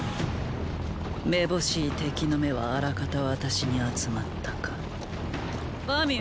めぼしい敵の目はあらかた私に集まったかバミュウ。